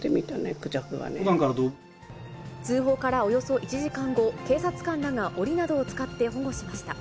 通報からおよそ１時間後、警察官らがおりなどを使って保護しました。